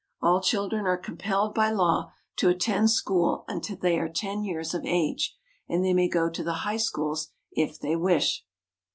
All children are compelled by law to attend school until they are ten years of age, and they may go to the high schools if they wish.